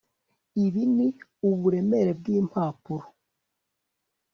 Ibi ni uburemere bwimpapuro